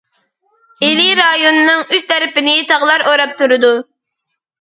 ئىلى رايونىنىڭ ئۈچ تەرىپىنى تاغلار ئوراپ تۇرىدۇ.